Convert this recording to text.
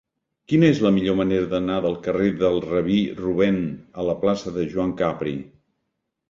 Quina és la millor manera d'anar del carrer del Rabí Rubèn a la plaça de Joan Capri?